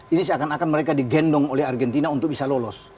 ini seakan akan mereka digendong oleh argentina untuk bisa lolos